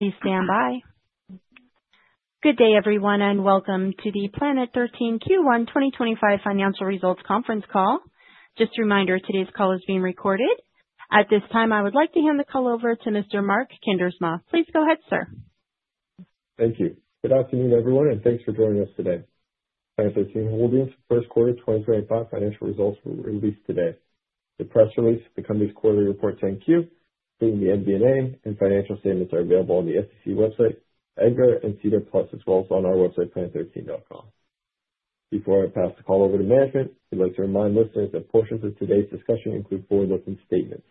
Please stand by. Good day, everyone, and welcome to the Planet 13 Q1 2025 financial results conference call. Just a reminder, today's call is being recorded. At this time, I would like to hand the call over to Mr. Mark Kuindersma. Please go ahead, sir. Thank you. Good afternoon, everyone, and thanks for joining us today. Planet 13 Holdings' first quarter 2025 financial results will be released today. The press release to the company's quarterly report, time cue being the MD&A and financial statements, are available on the SEC website, EDGAR and SEDAR Plus, as well as on our website, planet13.com. Before I pass the call over to management, I'd like to remind listeners that portions of today's discussion include forward-looking statements.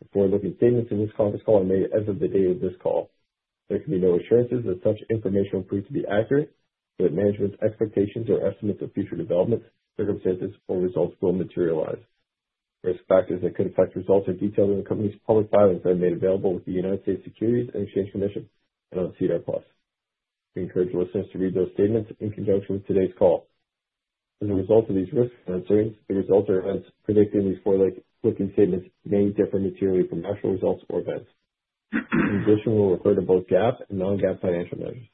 The forward-looking statements in this conference call are made as of the date of this call. There can be no assurances that such information will prove to be accurate, that management's expectations or estimates of future developments, circumstances, or results will materialize. Risk factors that could affect results are detailed in the company's public filing that are made available with the United States Securities and Exchange Commission and on SEDAR Plus. We encourage listeners to read those statements in conjunction with today's call. As a result of these risks and concerns, the results are uncertain, predicting these forward-looking statements may differ materially from actual results or events. Transition will occur to both GAAP and non-GAAP financial measures.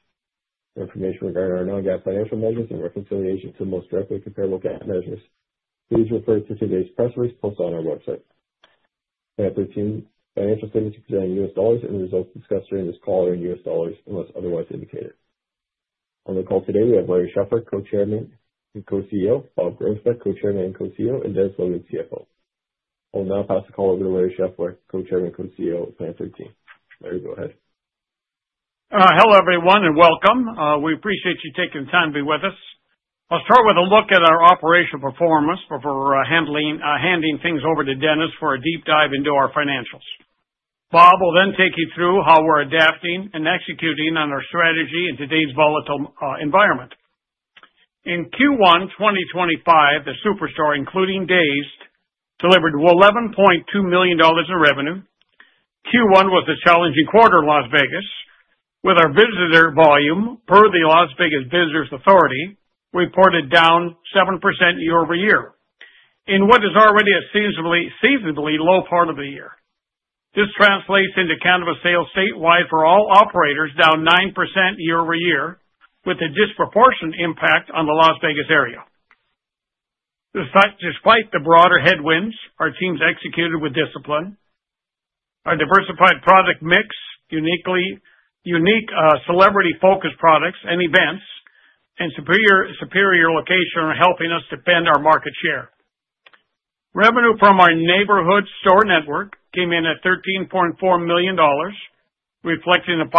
Information regarding our non-GAAP financial measures and reconciliation to the most directly comparable GAAP measures. Please refer to today's press release posted on our website. Planet 13 financial statements are presented in U.S. dollars, and the results discussed during this call are in U.S. dollars unless otherwise indicated. On the call today are Larry Scheffler, Co-Chairman and Co-CEO, Bob Groesbeck, Co-Chairman and Co-CEO, and Dennis Wilman, CFO. I will now pass the call over to Larry Scheffler, Co-Chairman and Co-CEO of Planet 13. Larry, go ahead. Hello, everyone, and welcome. We appreciate you taking the time to be with us. I'll start with a look at our operational performance before handing things over to Dennis for a deep dive into our financials. Bob will then take you through how we're adapting and executing on our strategy in today's volatile environment. In Q1 2025, the superstore, including Dazed!, delivered $11.2 million in revenue. Q1 was a challenging quarter in Las Vegas, with our visitor volume, per the Las Vegas Visitors Authority, reported down 7% year-over-year, in what is already a seasonably low part of the year. This translates into cannabis sales statewide for all operators down 9% year-over-year, with a disproportionate impact on the Las Vegas area. Despite the broader headwinds, our teams executed with discipline. Our diversified product mix, uniquely unique celebrity-focused products and events, and superior location are helping us defend our market share. Revenue from our neighborhood store network came in at $13.4 million, reflecting a 5%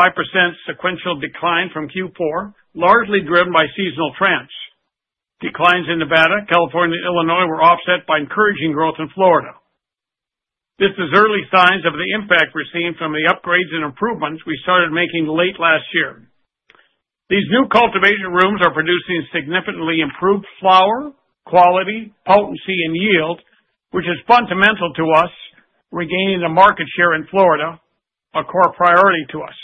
sequential decline from Q4, largely driven by seasonal trends. Declines in Nevada, California, and Illinois were offset by encouraging growth in Florida. This is early signs of the impact we're seeing from the upgrades and improvements we started making late last year. These new cultivation rooms are producing significantly improved flower, quality, potency, and yield, which is fundamental to us, regaining the market share in Florida, a core priority to us.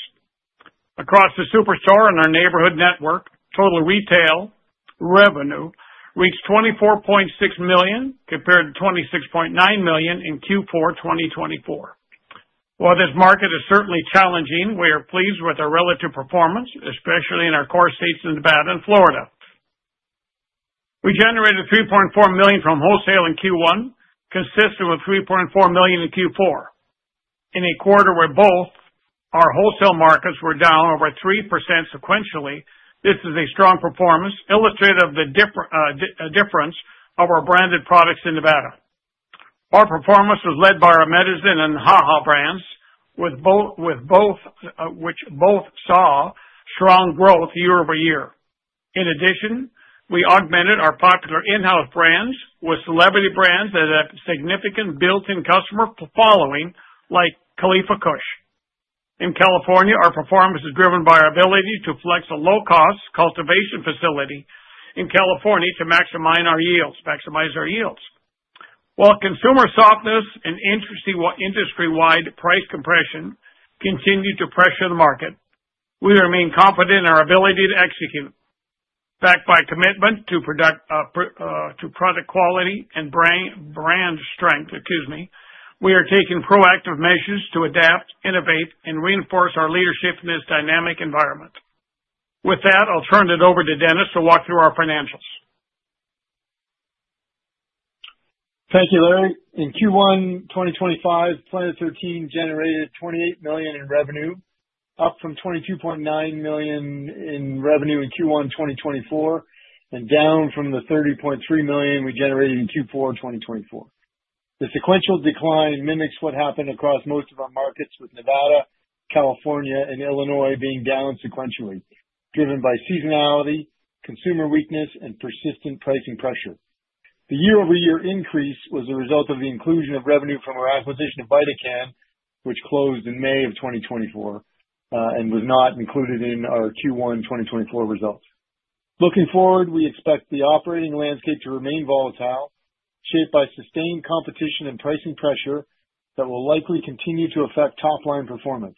Across the superstore and our neighborhood network, total retail revenue reached $24.6 million compared to $26.9 million in Q4 2024. While this market is certainly challenging, we are pleased with our relative performance, especially in our core states in Nevada and Florida. We generated $3.4 million from wholesale in Q1, consistent with $3.4 million in Q4. In a quarter where both our wholesale markets were down over 3% sequentially, this is a strong performance illustrative of the difference of our branded products in Nevada. Our performance was led by our Medizin and HaHa brands, with both which both saw strong growth year-over-year. In addition, we augmented our popular in-house brands with celebrity brands that have significant built-in customer following, like Khalifa Kush. In California, our performance is driven by our ability to flex a low-cost cultivation facility in California to maximize our yields. While consumer softness and industry-wide price compression continue to pressure the market, we remain confident in our ability to execute. Backed by commitment to product quality and brand strength, excuse me, we are taking proactive measures to adapt, innovate, and reinforce our leadership in this dynamic environment. With that, I'll turn it over to Dennis to walk through our financials. Thank you, Larry. In Q1 2025, Planet 13 generated $28 million in revenue, up from $22.9 million in revenue in Q1 2024 and down from the $30.3 million we generated in Q4 2024. The sequential decline mimics what happened across most of our markets, with Nevada, California, and Illinois being down sequentially, driven by seasonality, consumer weakness, and persistent pricing pressure. The year-over-year increase was the result of the inclusion of revenue from our acquisition of VidaCann, which closed in May of 2024 and was not included in our Q1 2024 results. Looking forward, we expect the operating landscape to remain volatile, shaped by sustained competition and pricing pressure that will likely continue to affect top-line performance.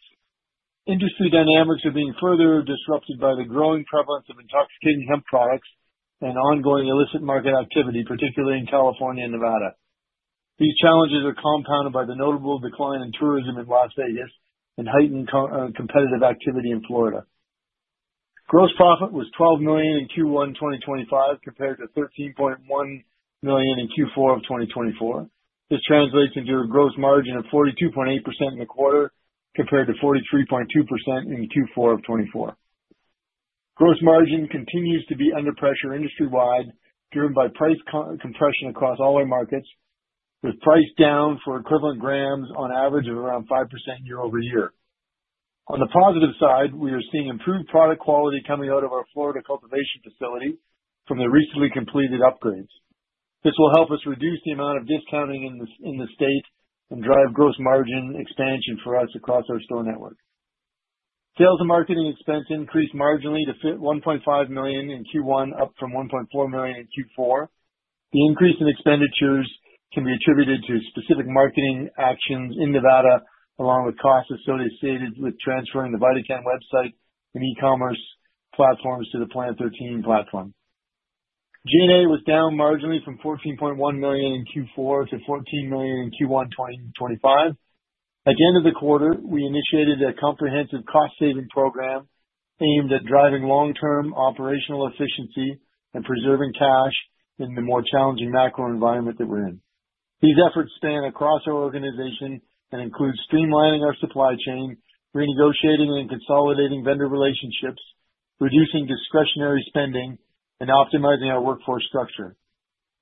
Industry dynamics are being further disrupted by the growing prevalence of intoxicating hemp products and ongoing illicit market activity, particularly in California and Nevada. These challenges are compounded by the notable decline in tourism in Las Vegas and heightened competitive activity in Florida. Gross profit was $12 million in Q1 2025 compared to $13.1 million in Q4 of 2024. This translates into a gross margin of 42.8% in the quarter compared to 43.2% in Q4 of 2024. Gross margin continues to be under pressure industry-wide, driven by price compression across all markets, with price down for equivalent grams on average of around 5% year-over-year. On the positive side, we are seeing improved product quality coming out of our Florida cultivation facility from the recently completed upgrades. This will help us reduce the amount of discounting in the state and drive gross margin expansion for us across our store network. Sales and marketing expense increased marginally to $1.5 million in Q1, up from $1.4 million in Q4. The increase in expenditures can be attributed to specific marketing actions in Nevada, along with costs associated with transferring the VidaCann website and e-commerce platforms to the Planet 13 platform. G&A was down marginally from $14.1 million in Q4 to $14 million in Q1 2025. At the end of the quarter, we initiated a comprehensive cost-saving program aimed at driving long-term operational efficiency and preserving cash in the more challenging macro environment that we're in. These efforts span across our organization and include streamlining our supply chain, renegotiating and consolidating vendor relationships, reducing discretionary spending, and optimizing our workforce structure.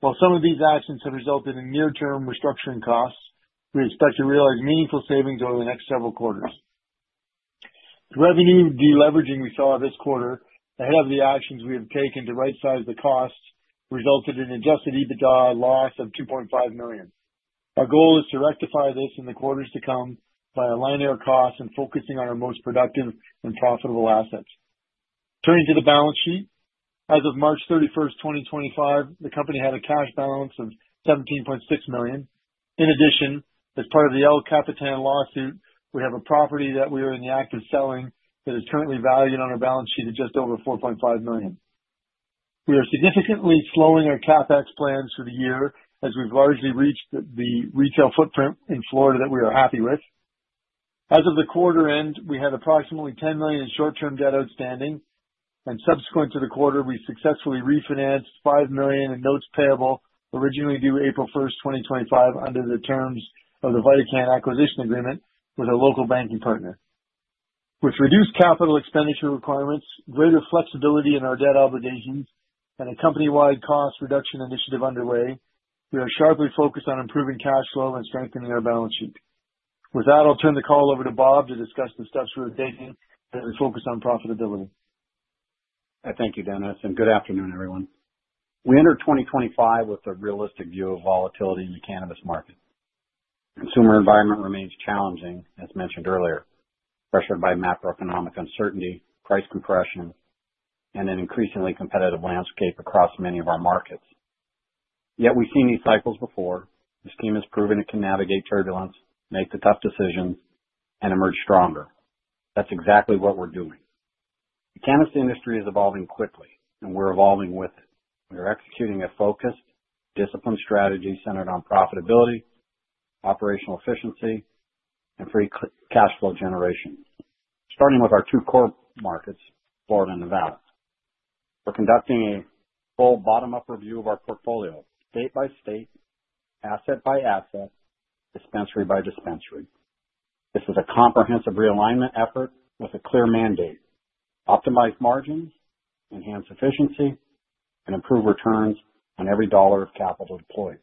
While some of these actions have resulted in near-term restructuring costs, we expect to realize meaningful savings over the next several quarters. Revenue deleveraging we saw this quarter, ahead of the actions we have taken to right-size the costs, resulted in adjusted EBITDA loss of $2.5 million. Our goal is to rectify this in the quarters to come by aligning our costs and focusing on our most productive and profitable assets. Turning to the balance sheet, as of March 31, 2025, the company had a cash balance of $17.6 million. In addition, as part of the El Capitan lawsuit, we have a property that we are in the act of selling that is currently valued on our balance sheet at just over $4.5 million. We are significantly slowing our CapEx plans for the year as we've largely reached the retail footprint in Florida that we are happy with. As of the quarter end, we had approximately $10 million in short-term debt outstanding, and subsequent to the quarter, we successfully refinanced $5 million in notes payable originally due April 1, 2025, under the terms of the VidaCann acquisition agreement with our local banking partner. With reduced capital expenditure requirements, greater flexibility in our debt obligations, and a company-wide cost reduction initiative underway, we are sharply focused on improving cash flow and strengthening our balance sheet. With that, I'll turn the call over to Bob to discuss the steps we are taking that will focus on profitability. Thank you, Dennis, and good afternoon, everyone. We enter 2025 with a realistic view of volatility in the cannabis market. The consumer environment remains challenging, as mentioned earlier, pressured by macroeconomic uncertainty, price compression, and an increasingly competitive landscape across many of our markets. Yet we've seen these cycles before. This team has proven it can navigate turbulence, make the tough decisions, and emerge stronger. That's exactly what we're doing. The cannabis industry is evolving quickly, and we're evolving with it. We are executing a focused, disciplined strategy centered on profitability, operational efficiency, and free cash flow generation, starting with our two core markets, Florida and Nevada. We're conducting a full bottom-up review of our portfolio, state by state, asset by asset, dispensary by dispensary. This is a comprehensive realignment effort with a clear mandate: optimize margins, enhance efficiency, and improve returns on every dollar of capital deployed.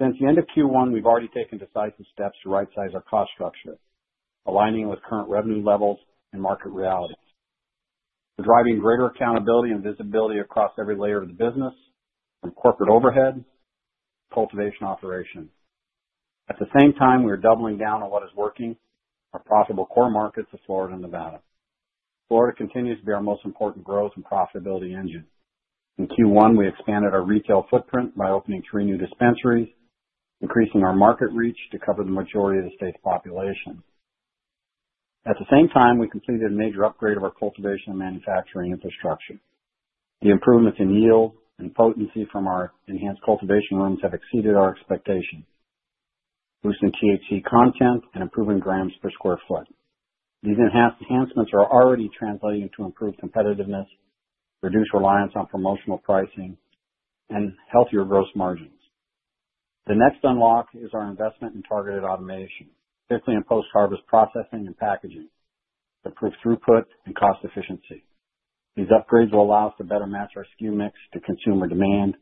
Since the end of Q1, we've already taken decisive steps to right-size our cost structure, aligning with current revenue levels and market realities. We're driving greater accountability and visibility across every layer of the business from corporate overhead to cultivation operation. At the same time, we are doubling down on what is working: our profitable core markets of Florida and Nevada. Florida continues to be our most important growth and profitability engine. In Q1, we expanded our retail footprint by opening three new dispensaries, increasing our market reach to cover the majority of the state's population. At the same time, we completed a major upgrade of our cultivation and manufacturing infrastructure. The improvements in yield and potency from our enhanced cultivation rooms have exceeded our expectations, boosting THC content and improving grams per square foot. These enhancements are already translating to improved competitiveness, reduced reliance on promotional pricing, and healthier gross margins. The next unlock is our investment in targeted automation, particularly in post-harvest processing and packaging, to improve throughput and cost efficiency. These upgrades will allow us to better match our SKU mix to consumer demand,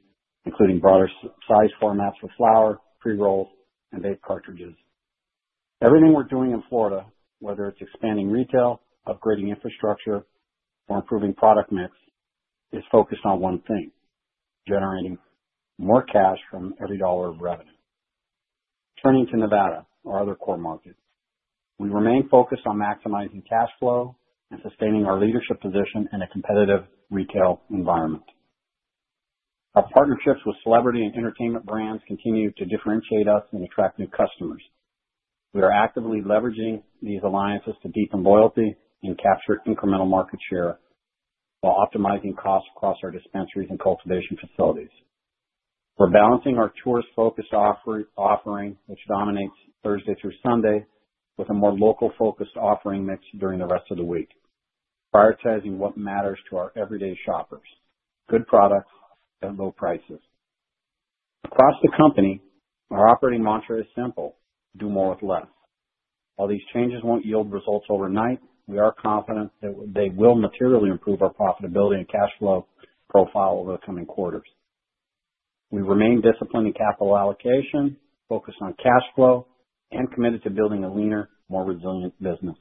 including broader size formats for flower, pre-roll, and vape cartridges. Everything we're doing in Florida, whether it's expanding retail, upgrading infrastructure, or improving product mix, is focused on one thing: generating more cash from every dollar of revenue. Turning to Nevada, our other core market, we remain focused on maximizing cash flow and sustaining our leadership position in a competitive retail environment. Our partnerships with celebrity and entertainment brands continue to differentiate us and attract new customers. We are actively leveraging these alliances to deepen loyalty and capture incremental market share while optimizing costs across our dispensaries and cultivation facilities. We're balancing our tourist-focused offering, which dominates Thursday through Sunday, with a more local-focused offering mixed during the rest of the week, prioritizing what matters to our everyday shoppers: good products at low prices. Across the company, our operating mantra is simple: do more with less. While these changes won't yield results overnight, we are confident that they will materially improve our profitability and cash flow profile over the coming quarters. We remain disciplined in capital allocation, focused on cash flow, and committed to building a leaner, more resilient business.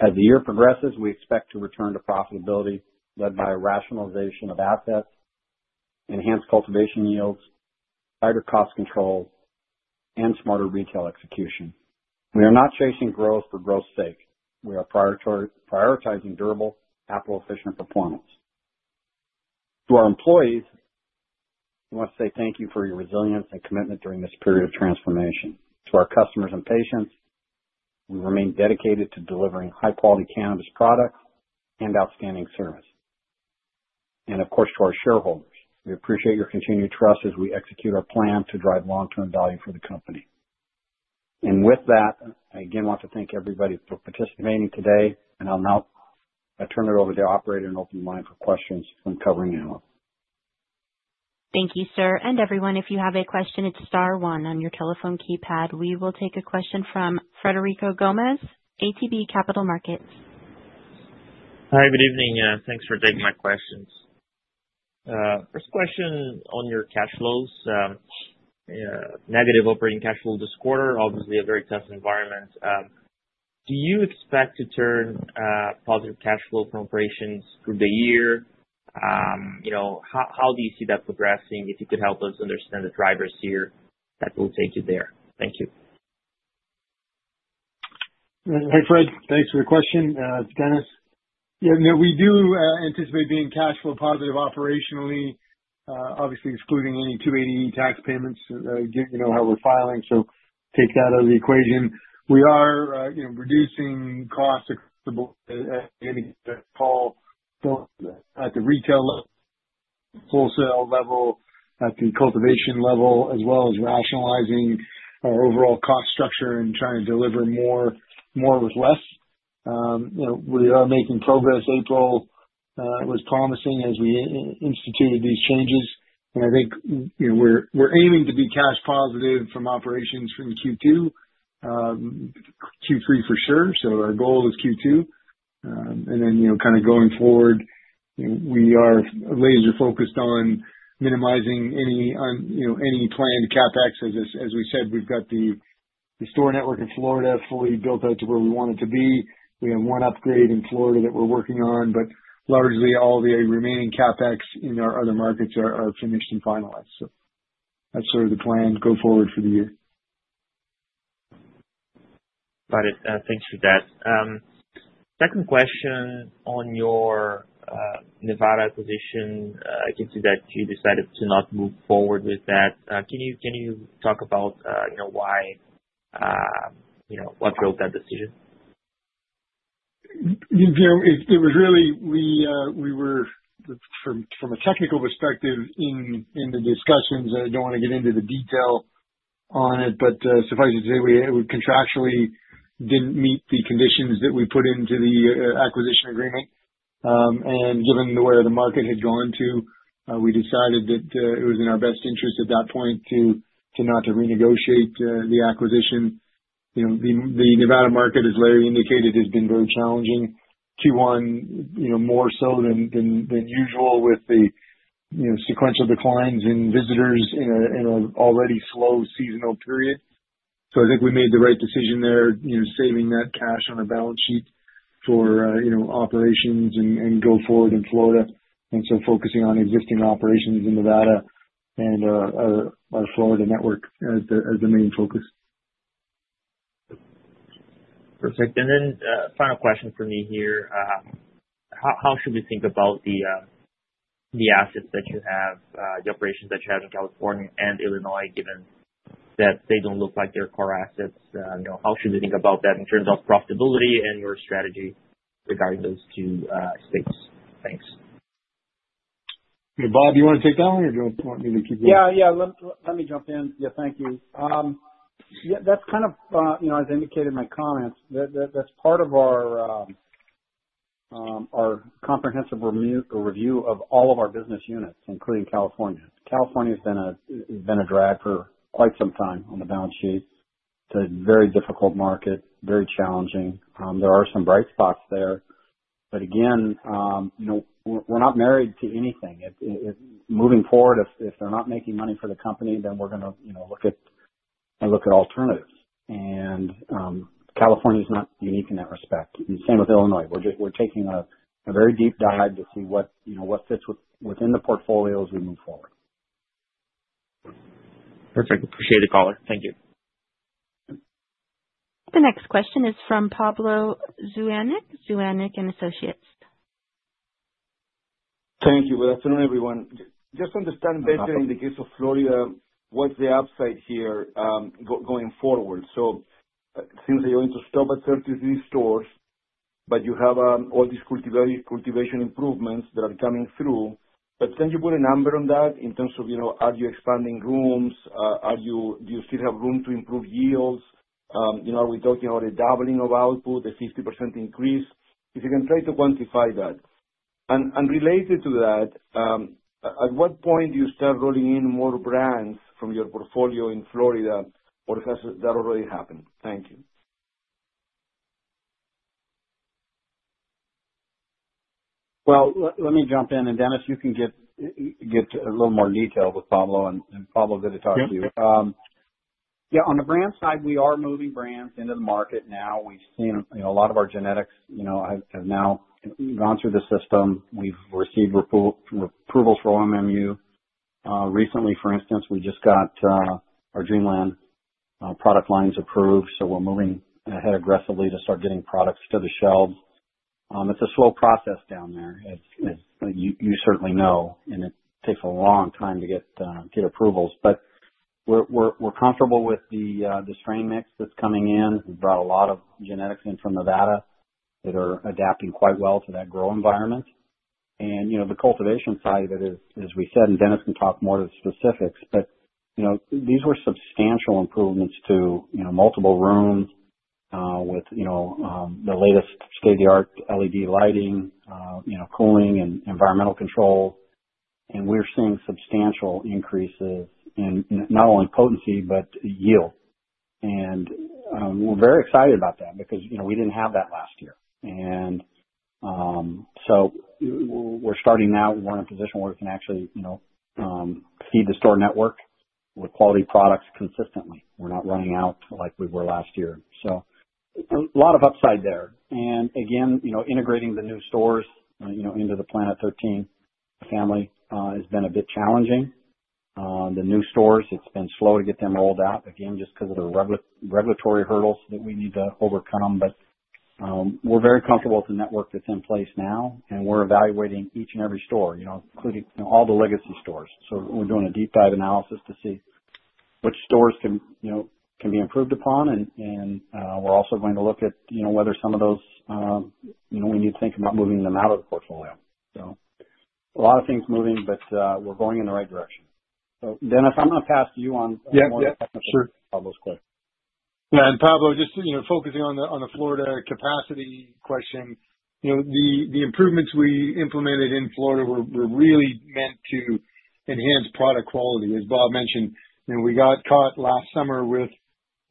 As the year progresses, we expect to return to profitability led by a rationalization of assets, enhanced cultivation yields, tighter cost control, and smarter retail execution. We are not chasing growth for growth's sake. We are prioritizing durable, capital-efficient performance. To our employees, we want to say thank you for your resilience and commitment during this period of transformation. To our customers and patients, we remain dedicated to delivering high-quality cannabis products and outstanding service. To our shareholders, we appreciate your continued trust as we execute our plan to drive long-term value for the company. I again want to thank everybody for participating today. I'll now turn it over to the operator and open the line for questions from covering analysts. Thank you, sir. Everyone, if you have a question, it's star one on your telephone keypad. We will take a question from Frederico Gomes, ATB Capital Markets. Hi, good evening. Thanks for taking my questions. First question on your cash flows, negative operating cash flow this quarter, obviously a very tough environment. Do you expect to turn positive cash flow from operations through the year? How do you see that progressing? If you could help us understand the drivers here that will take you there. Thank you. Thanks, Fred. Thanks for the question. Dennis? Yeah, no, we do anticipate being cash flow positive operationally, obviously excluding any 280E tax payments, you know, held with filing. Take that out of the equation. We are reducing costs at the retail level, wholesale level, at the cultivation level, as well as rationalizing our overall cost structure and trying to deliver more with less. We are making progress. April was promising as we instituted these changes. I think we're aiming to be cash positive from operations for Q2, Q3 for sure. Our goal is Q2. You know, kind of going forward, we are laser-focused on minimizing any planned CapEx. As we said, we've got the store network in Florida fully built out to where we want it to be. We have one upgrade in Florida that we're working on, but largely all the remaining CapEx in our other markets are finished and finalized. That's sort of the plan going forward for the year. Got it. Thanks for that. Second question on your Nevada position. I can see that you decided to not move forward with that. Can you talk about why, you know, what drove that decision? It was really we were from a technical perspective in the discussions. I don't want to get into the detail on it, but suffice to say, we contractually didn't meet the conditions that we put into the acquisition agreement. Given the way the market had gone to, we decided that it was in our best interest at that point to not renegotiate the acquisition. The Nevada market, as Larry indicated, has been very challenging. Q1 more so than usual with the sequential declines in visitors in an already slow seasonal period. I think we made the right decision there, saving that cash on a balance sheet for operations and going forward in Florida. Focusing on existing operations in Nevada and our Florida network as the main focus. Perfect. Final question for me here. How should we think about the assets that you have, the operations that you have in California and Illinois, given that they do not look like they are core assets? How should we think about that in terms of profitability and your strategy regarding those two states? Thanks. Bob, do you want to take that one or do you want me to keep going? Yeah, let me jump in. Yeah, thank you. Yeah, that's kind of, you know, as I indicated in my comments, that's part of our comprehensive review of all of our business units, including California. California has been a drag for quite some time on the balance sheet. It's a very difficult market, very challenging. There are some bright spots there. You know, we're not married to anything. Moving forward, if they're not making money for the company, then we're going to look at alternatives. California is not unique in that respect. Same with Illinois. We're taking a very deep dive to see what fits within the portfolio as we move forward. Perfect. Appreciate it, caller. Thank you. The next question is from Pablo Zuanic, Zuanic & Associates. Thank you. Good afternoon, everyone. Just understand better in the case of Florida, what's the upside here going forward? It seems that you're going to stop at 33 stores, but you have all these cultivation improvements that are coming through. Can you put a number on that in terms of, you know, are you expanding rooms? Do you still have room to improve yields? You know, are we talking about a doubling of output, a 50% increase? If you can try to quantify that. Related to that, at what point do you start rolling in more brands from your portfolio in Florida, or has that already happened? Thank you. Let me jump in. Dennis, you can get a little more detail with Pablo, and Pablo did it already. Yeah, on the brand side, we are moving brands into the market now. We've seen a lot of our genetics, you know, have now gone through the system. We've received approvals from OMMU. Recently, for instance, we just got our Dreamland product lines approved. We are moving ahead aggressively to start getting products to the shelves. It's a slow process down there. You certainly know, it takes a long time to get approvals. We are comfortable with the strain mix that's coming in. We brought a lot of genetics in from Nevada that are adapting quite well to that grow environment. You know, the cultivation side of it, as we said, and Dennis can talk more to the specifics, but, you know, these were substantial improvements to multiple rooms with the latest state-of-the-art LED lighting, cooling and environmental control. We are seeing substantial increases in not only potency, but yield. We are very excited about that because, you know, we did not have that last year. We are starting now. We are in a position where we can actually, you know, feed the store network with quality products consistently. We are not running out like we were last year. A lot of upside there. Again, you know, integrating the new stores into the Planet 13 family has been a bit challenging. The new stores, it has been slow to get them rolled out, again, just because of the regulatory hurdles that we need to overcome. We're very comfortable with the network that's in place now, and we're evaluating each and every store, you know, including all the legacy stores. We're doing a deep dive analysis to see which stores can be improved upon. We're also going to look at, you know, whether some of those, you know, we need to think about moving them out of the portfolio. A lot of things moving, but we're going in the right direction. Dennis, I'm going to pass to you on more technical details, Pablo's question. Yeah, and Pablo, just, you know, focusing on the Florida capacity question, you know, the improvements we implemented in Florida were really meant to enhance product quality. As Bob mentioned,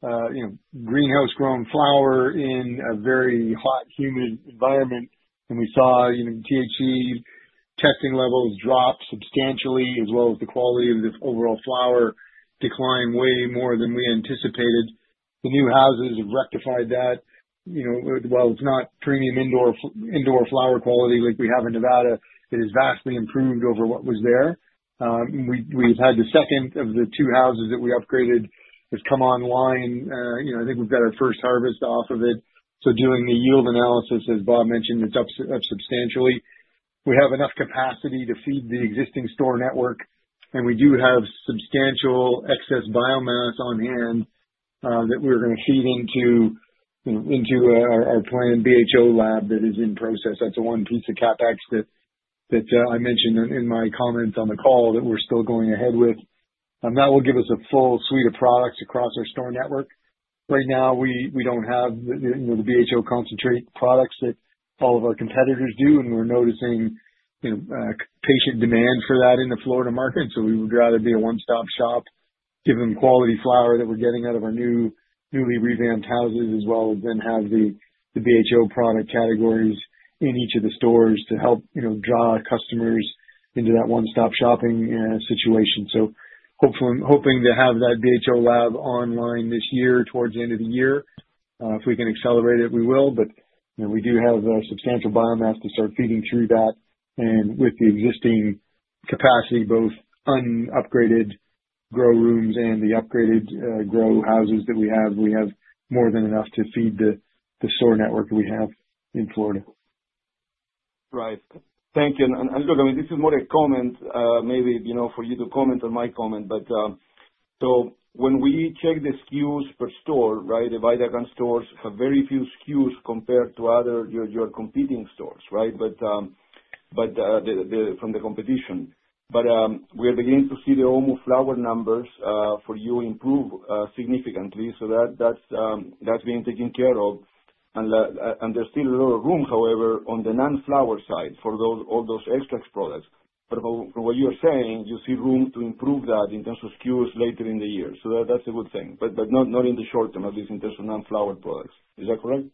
you know, we got caught last summer with, you know, greenhouse-grown flower in a very hot, humid environment. We saw, you know, THC testing levels drop substantially, as well as the quality of this overall flower decline way more than we anticipated. The new houses have rectified that. You know, while it's not premium indoor flower quality like we have in Nevada, it has vastly improved over what was there. We've had the second of the two houses that we upgraded that's come online. You know, I think we've got our first harvest off of it. During the yield analysis, as Bob mentioned, it's up substantially. We have enough capacity to feed the existing store network, and we do have substantial excess biomass on hand that we're going to feed into our planned BHO lab that is in process. That's the one piece of CapEx that I mentioned in my comments on the call that we're still going ahead with. That will give us a full suite of products across our store network. Right now, we don't have the BHO concentrate products that all of our competitors do, and we're noticing, you know, patient demand for that in the Florida market. We would rather be a one-stop shop, give them quality flower that we're getting out of our newly revamped houses, as well as then have the BHO product categories in each of the stores to help, you know, draw customers into that one-stop shopping situation. Hopefully hoping to have that BHO lab online this year towards the end of the year. If we can accelerate it, we will. We do have substantial biomass to start feeding through that. With the existing capacity, both unupgraded grow rooms and the upgraded grow houses that we have, we have more than enough to feed the store network that we have in Florida. Right. Thank you. I mean, this is more a comment, maybe, you know, for you to comment on my comment. When we check the SKUs per store, right, the Florida stores have very few SKUs compared to other competing stores, right, from the competition. We are beginning to see the OMMU flower numbers for you improve significantly. That is being taken care of. There is still a lot of room, however, on the non-flower side for all those extra products. From what you are saying, you see room to improve that in terms of SKUs later in the year. That is a good thing. Not in the short term at least in terms of non-flower products. Is that correct?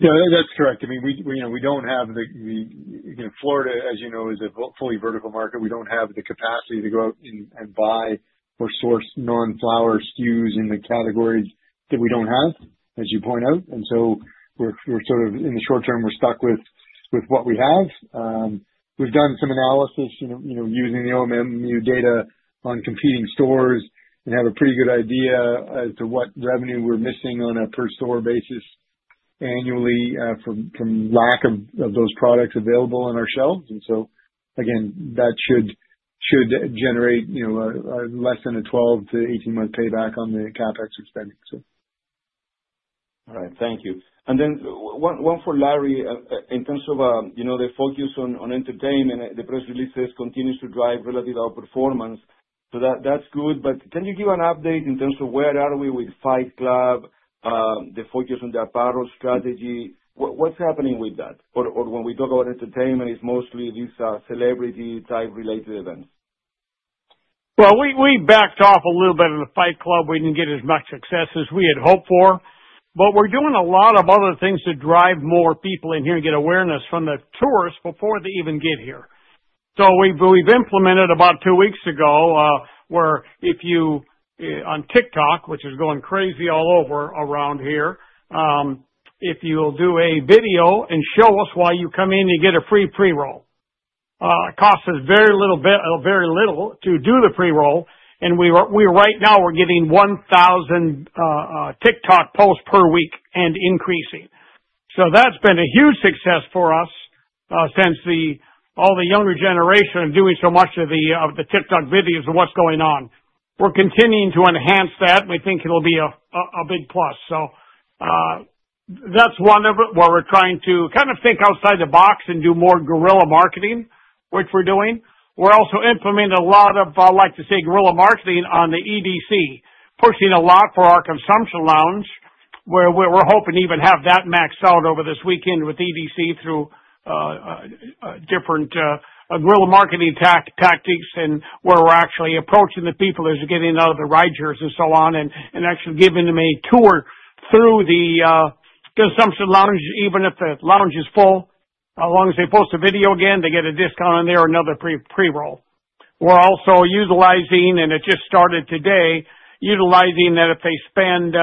Yeah, that is correct. I mean, we do not have the, you know, Florida, as you know, is a fully vertical market. We do not have the capacity to go and buy or source non-flower SKUs in the categories that we do not have, as you point out. We are sort of in the short term, we are stuck with what we have. We've done some analysis, you know, using the OMMU data on competing stores and have a pretty good idea as to what revenue we're missing on a per store basis annually from lack of those products available on our shelves. That should generate, you know, less than a 12-18 month payback on the CapEx expenses. All right. Thank you. Then one for Larry. In terms of, you know, the focus on entertainment, the press release says continues to drive relative outperformance. That is good. Can you give an update in terms of where are we with Fight Club, the focus on the apparel strategy? What is happening with that? When we talk about entertainment, is it mostly these celebrity-type related events? We backed off a little bit of the Fight Club. We did not get as much success as we had hoped for. We are doing a lot of other things to drive more people in here and get awareness from the tourists before they even get here. We implemented about two weeks ago where if you are on TikTok, which is going crazy all over around here, if you do a video and show us why you come in, you get a free pre-roll. It costs us very little to do the pre-roll. We right now are getting 1,000 TikTok posts per week and increasing. That has been a huge success for us since all the younger generation are doing so much of the TikTok videos of what is going on. We are continuing to enhance that. We think it will be a big plus. That's one of what we're trying to kind of think outside the box and do more guerrilla marketing, which we're doing. We're also implementing a lot of, I like to say, guerrilla marketing on the EDC, pushing a lot for our consumption lounge, where we're hoping to even have that maxed out over this weekend with EDC through different guerrilla marketing tactics and where we're actually approaching the people as you're getting out of the rideshare and so on and actually giving them a tour through the consumption lounge, even if the lounge is full. As long as they post a video again, they get a discount on there or another pre-roll. We're also utilizing, and it just started today, utilizing that if they spend,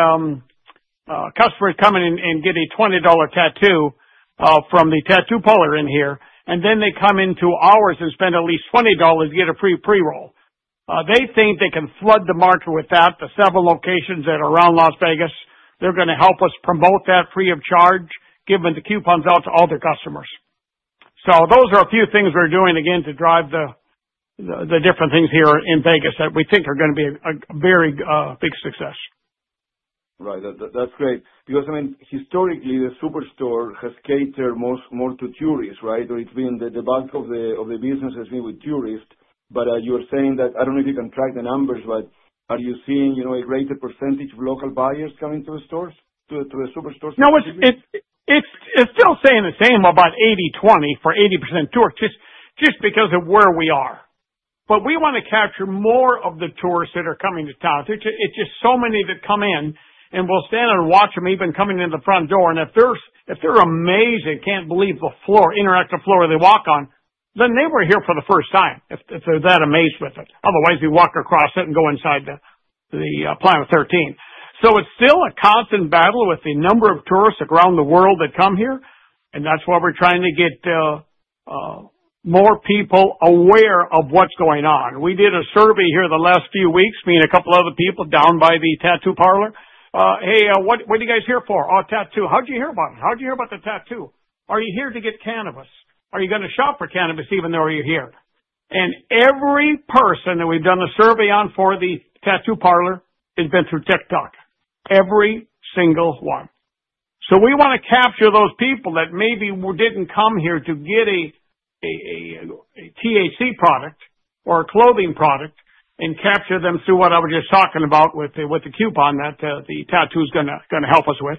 customers coming in and getting a $20 tattoo from the tattoo parlor in here, and then they come into ours and spend at least $20 to get a free pre-roll. They think they can flood the market with that. There are several locations that are around Las Vegas. They are going to help us promote that free of charge, giving the coupons out to all their customers. Those are a few things we're doing again to drive the different things here in Vegas that we think are going to be a very big success. Right. That's great. Because, I mean, historically, the superstore has catered more to tourists, right? Or it's been the bulk of the business has been with tourists. But you're saying that I don't know if you can track the numbers, but are you seeing, you know, a greater percentage of local buyers coming to the stores, to the superstores? No, it's still saying the same about 80-20 for 80% tours, just because of where we are. We want to capture more of the tourists that are coming to town. It's just so many that come in, and we'll stand and watch them even coming in the front door. If they're amazed, can't believe the floor, interactive floor they walk on, then they were here for the first time if they're that amazed with it. Otherwise, you walk across it and go inside the Planet 13. It's still a constant battle with the number of tourists around the world that come here. That's why we're trying to get more people aware of what's going on. We did a survey here the last few weeks, me and a couple of other people down by the tattoo parlor. Hey, what are you guys here for? Oh, tattoo. How'd you hear about it? How'd you hear about the tattoo? Are you here to get cannabis? Are you going to shop for cannabis even though you're here? Every person that we've done a survey on for the tattoo parlor has been through TikTok. Every single one. We want to capture those people that maybe didn't come here to get a THC product or a clothing product and capture them through what I was just talking about with the coupon that the tattoo is going to help us with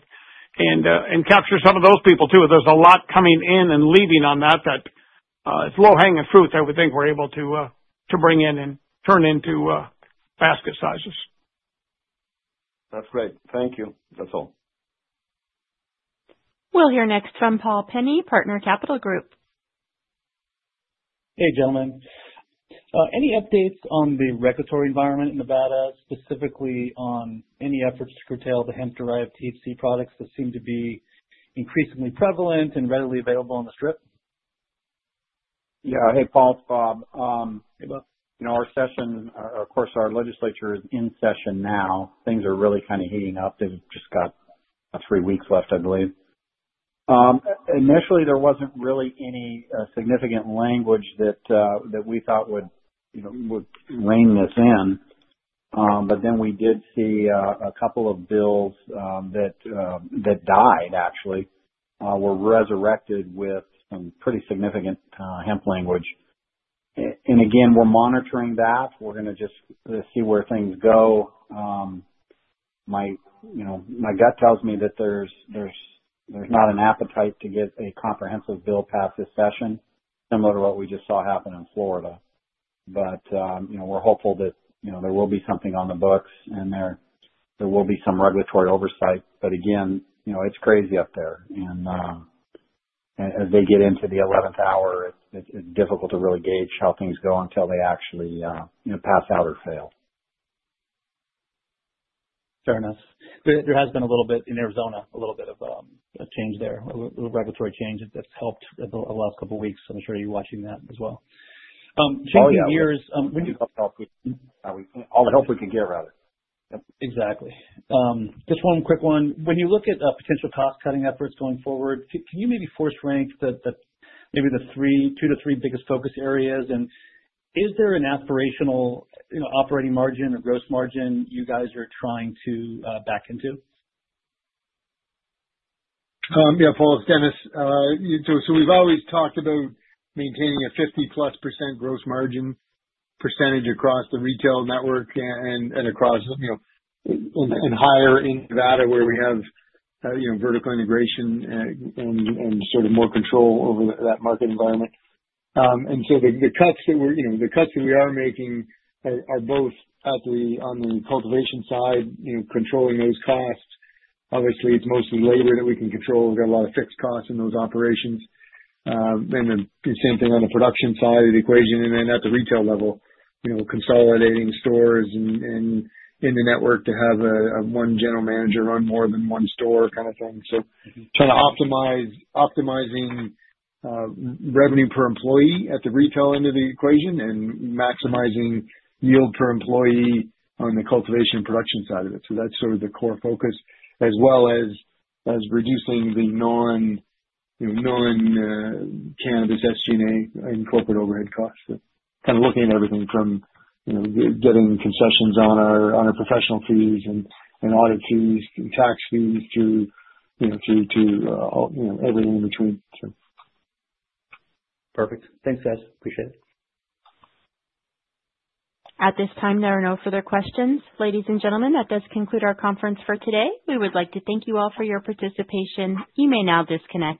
and capture some of those people too. There's a lot coming in and leaving on that. It's low-hanging fruit that we think we're able to bring in and turn into basket sizes. That's great. Thank you. That's all. We'll hear next from Paul Penny, Partner Capital Group. Hey, gentlemen. Any updates on the regulatory environment in Nevada, specifically on any efforts to curtail the hemp-derived THC products that seem to be increasingly prevalent and readily available on the strip? Yeah. Hey, Paul, it's Bob. You know, our session, of course, our legislature is in session now. Things are really kind of heating up. They've just got three weeks left, I believe. Initially, there wasn't really any significant language that we thought would rein this in. Then we did see a couple of bills that died, actually, were resurrected with some pretty significant hemp language. Again, we're monitoring that. We're going to just see where things go. My gut tells me that there's not an appetite to get a comprehensive bill passed this session, similar to what we just saw happen in Florida. You know, we're hopeful that, you know, there will be something on the books and there will be some regulatory oversight. Again, you know, it's crazy up there. As they get into the 11th hour, it's difficult to really gauge how things go until they actually pass out or fail. Fair enough. There has been a little bit in Arizona, a little bit of a change there, a regulatory change that's helped the last couple of weeks. I'm sure you're watching that as well. Changing gears. All the help we can get, rather. Exactly. Just one quick one. When you look at potential cost-cutting efforts going forward, can you maybe first rank maybe the two to three biggest focus areas? Is there an aspirational operating margin or gross margin you guys are trying to back into? Yeah, Paul, it's Dennis. We've always talked about maintaining a 50%+ gross margin percentage across the retail network and higher in Nevada, where we have vertical integration and sort of more control over that market environment. The cuts that we are making are both on the cultivation side, controlling those costs. Obviously, it's mostly labor that we can control. There are a lot of fixed costs in those operations. The same thing on the production side of the equation. At the retail level, consolidating stores in the network to have one general manager run more than one store kind of thing. Kind of optimizing revenue per employee at the retail end of the equation and maximizing yield per employee on the cultivation production side of it. That's sort of the core focus, as well as reducing the non-cannabis that's being incorporated overhead costs. Kind of looking at everything from, you know, getting concessions on our professional fees and audit fees and tax fees to, you know, everything in between. Perfect. Thanks, guys. Appreciate it. At this time, there are no further questions. Ladies and gentlemen, that does conclude our conference for today. We would like to thank you all for your participation. You may now disconnect.